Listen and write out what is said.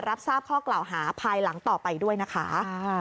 รับทราบข้อกล่าวหาภายหลังต่อไปด้วยนะคะ